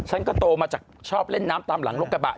ฉันก็โตมาจากชอบเล่นน้ำตามหลังรถกระบะ